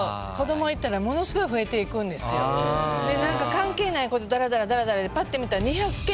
関係ないことダラダラでパッて見たら。